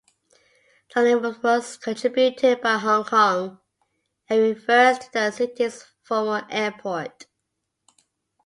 The name was contributed by Hong Kong, and refers to that city's former airport.